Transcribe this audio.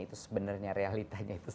itu sebenarnya realitanya itu